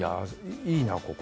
いいな、ここ。